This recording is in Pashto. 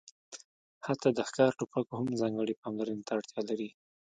حتی د ښکار ټوپک هم ځانګړې پاملرنې ته اړتیا لري